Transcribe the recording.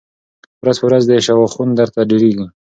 ورځ په ورځ دي شواخون درته ډېرېږی